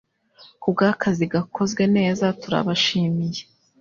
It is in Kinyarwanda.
Kubwakazi kakozwe neza turabashimiye